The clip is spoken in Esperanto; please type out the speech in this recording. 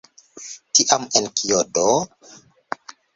Tiam en kio do?